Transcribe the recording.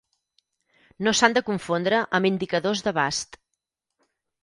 No s'han de confondre amb indicadors d'abast.